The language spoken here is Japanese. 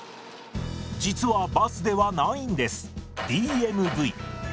実はバスではないんです。